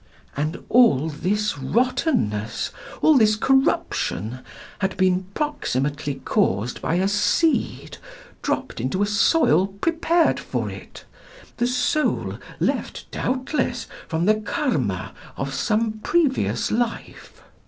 And all this rottenness, all this corruption, had been proximately caused by a seed dropped into a soil prepared for it the soul left doubtless from the Karma of some previous life.